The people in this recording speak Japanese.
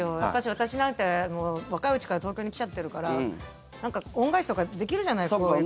私なんて、若いうちから東京に来ちゃってるからなんか恩返しとかできるじゃないこういう感じで。